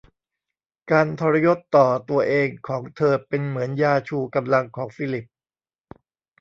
การทรยศต่อตัวเองของเธอเป็นเหมือนยาชูกำลังของฟิลิป